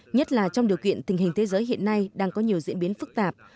nhất là trong điều kiện tình hình thế giới hiện nay đang có nhiều diễn biến phức tạp